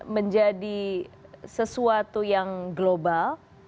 menjadi sesuatu yang global